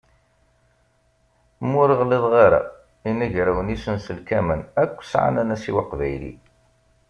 Ma ur ɣliḍeɣ ara, inagrawen isenselkamen akk sεan anasiw aqbayli.